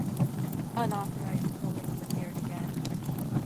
Unauthorized buildings appeared again.